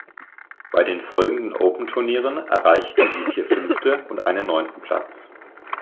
Bei den folgenden Open-Turnieren erreichten sie vier fünfte und einen neunten Platz.